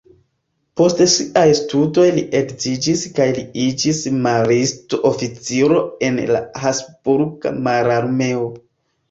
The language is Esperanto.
Post siaj studoj li edziĝis kaj li iĝis maristo-oficiro en la Habsburga mararmeo.